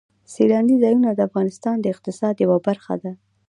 سیلاني ځایونه د افغانستان د اقتصاد یوه برخه ده.